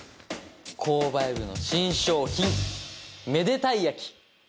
購買部の新商品めでたい焼き！